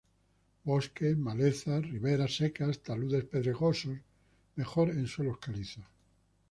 Bosques, malezas, riberas secas, taludes pedregosos, mejor en suelos calizos.